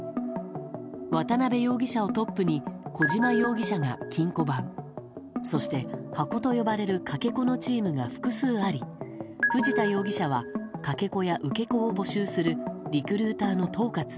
渡辺容疑者をトップに小島容疑者が金庫番そして箱と呼ばれるかけ子のチームが複数あり藤田容疑者はかけ子や受け子を募集するリクルーターの統括